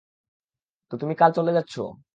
তো, তুমি কাল চলে যাচ্ছো?